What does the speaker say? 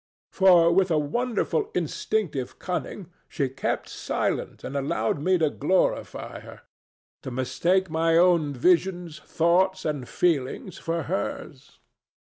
For with a wonderful instinctive cunning, she kept silent and allowed me to glorify her; to mistake my own visions, thoughts, and feelings for hers.